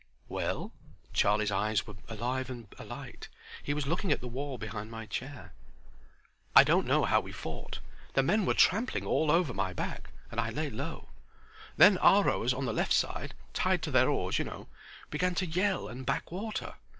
"Well?" Charlie's eyes were alive and alight. He was looking at the wall behind my chair. "I don't know how we fought. The men were trampling all over my back, and I lay low. Then our rowers on the left side—tied to their oars, you know—began to yell and back water.